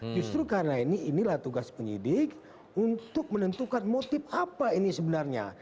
justru karena ini inilah tugas penyidik untuk menentukan motif apa ini sebenarnya